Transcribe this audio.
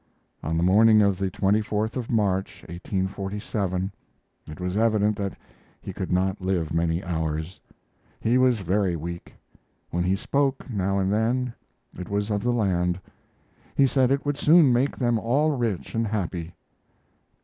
On the morning of the 24th of March, 1847, it was evident that he could not live many hours. He was very weak. When he spoke, now and then, it was of the land. He said it would soon make them all rich and happy.